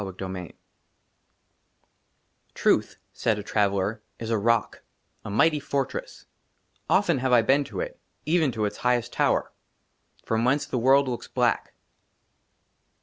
t^ 28 XXVIII " TRUTH," SAID A TRAVELLER, " IS A ROCK, A MIGHTY FORTRESS ; "OFTEN HAVE I BEEN TO IT, " EVEN TO ITS HIGHEST TOWER, " FROM WHENCE THE WORLD LOOKS BLACK.